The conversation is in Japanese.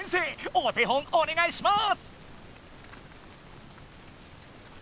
お手本おねがいします！